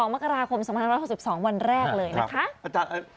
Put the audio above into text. มกราคม๒๑๖๒วันแรกเลยนะคะ